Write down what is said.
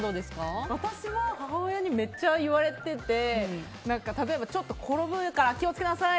私は母親にめっちゃ言われてて例えば、ちょっと転ぶから気をつけなさい！